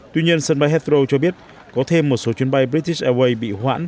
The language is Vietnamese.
tuy nhiên sân bay heathrow cho biết có thêm một số chuyến bay british airways bị hoãn